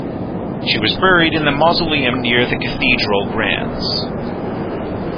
She was buried in the Mausoleum near the Cathedral, Graz.